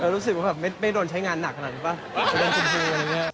รู้สึกว่าแบบไม่โดนใช้งานหนักขนาดนี้ป่ะชมพูอะไรอย่างนี้